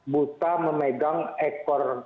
buta memegang ekor